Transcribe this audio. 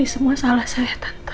ini semua salah saya tante